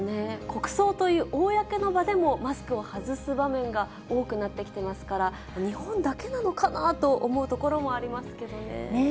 国葬という公の場でも、マスクを外す場面が多くなってきてますから、日本だけなのかなと思うところもありますけどね。